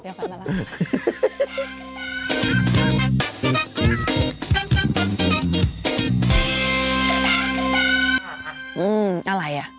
อืมอะไรอ่ะ